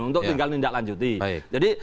untuk tinggal tindak lanjuti jadi